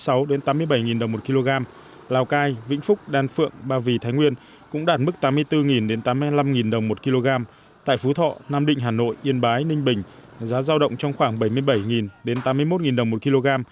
cụ thể giá lợn hơi tại lào cai vĩnh phúc đan phượng ba vì thái nguyên cũng đạt mức tám mươi bốn tám mươi năm đồng một kg tại phú thọ nam định hà nội yên bái ninh bình giá giao động trong khoảng bảy mươi bảy tám mươi một đồng một kg